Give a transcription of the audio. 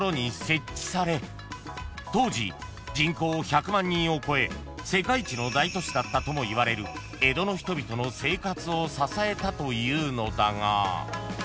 ［当時人口１００万人を超え世界一の大都市だったともいわれる江戸の人々の生活を支えたというのだが］